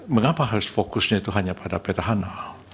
mengapa harus fokusnya itu hanya pada petahana